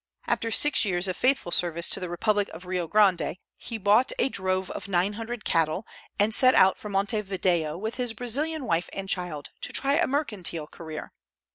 After six years of faithful service to the Republic of Rio Grande, he bought a drove of nine hundred cattle, and set out for Montevideo with his Brazilian wife and child, to try a mercantile career.